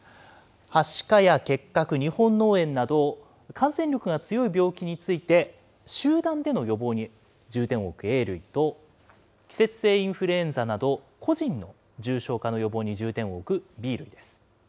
はしかや結核、日本脳炎など、感染力が強い病気について、集団での予防に重点を置くＡ類と、季節性インフルエンザなど、個人の重症化の予防に重点を置くＢ類です。